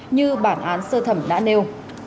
như bản án sơ thẩm đã nêu